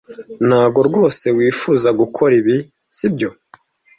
Ntago rwose wifuza gukora ibi, sibyo?